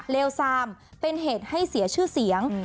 เลวซามเป็นเหตุให้เสียชื่อเสียง